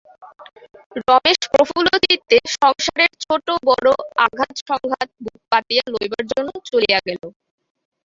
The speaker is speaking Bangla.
রমেশ প্রফুল্লচিত্তে সংসারের ছোটো-বড়ো আঘাত-সংঘাত বুক পাতিয়া লইবার জন্য চলিয়া গেল।